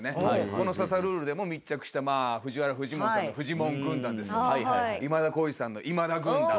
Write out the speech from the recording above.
この『刺さルール！』でも密着したＦＵＪＩＷＡＲＡ藤本さんのフジモン軍団ですとか今田耕司さんの今田軍団。